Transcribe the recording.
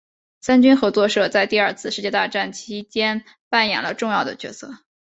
三军合作社在第二次世界大战其间扮演了重要的角色。